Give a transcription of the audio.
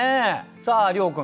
さあ諒君